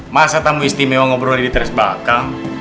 masa tamu istimewa ngobrol di teras belakang